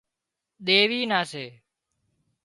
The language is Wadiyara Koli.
ڌيوِي نان سي